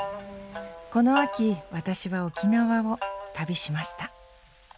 この秋私は沖縄を旅しました。